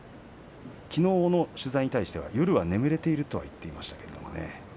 きのうの取材に対しては夜は眠れていると言ってましたけれどもね。